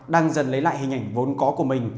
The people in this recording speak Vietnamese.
đang dần lấy lại hình ảnh vốn có của mình